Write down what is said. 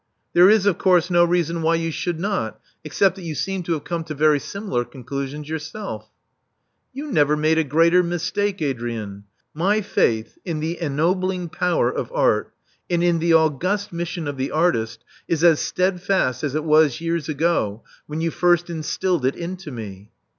•' There is, of course, no reason why you should not 388 Love Among the Artists — except that you seem to have come to very similar conclusions yourself." You never made a greater mistake, Adrian. My faith in the ennobling power of Art, and in the august mission of the artist is as steadfast as it was years ago, when you first instilled it into me."